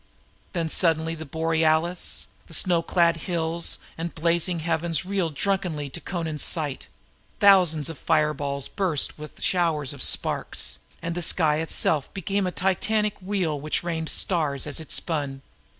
Then suddenly the borealis, the snowy hills and the blazing heavens reeled drunkenly to Amra's sight; thousands of fireballs burst with showers of sparks, and the sky itself became a titanic wheel which rained stars as it spun.